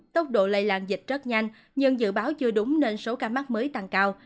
tốc độ lây lan dịch rất nhanh nhưng dự báo chưa đúng nên số ca mắc mới tăng cao